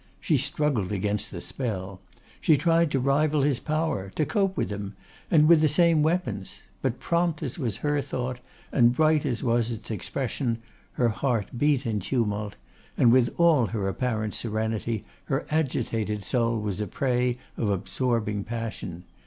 She struggled against the spell. She tried to rival his power; to cope with him, and with the same weapons. But prompt as was her thought and bright as was its expression, her heart beat in tumult; and, with all her apparent serenity, her agitated soul was a prey of absorbing passion.